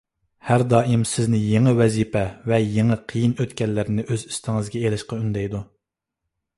ھەر دائىم سىزنى يېڭى ۋەزىپە ۋە يېڭى قىيىن ئۆتكەللەرنى ئۆز ئۈستىڭىزگە ئېلىشقا ئۈندەيدۇ.